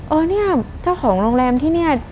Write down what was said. เออเนี่ยเจ้าของโรงแรมที่เนี่ย